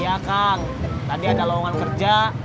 iya kang tadi ada lowongan kerja